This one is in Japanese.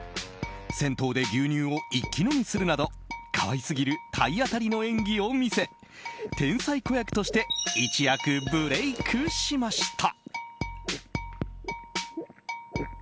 銭湯で牛乳を一気飲みするなど可愛すぎる体当たりの演技を見せ天才子役として一躍ブレークしました。